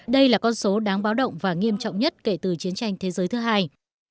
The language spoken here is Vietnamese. đây là con số đáng báo động và nghiêm trọng nhất kể từ chiến tranh thế giới thứ hai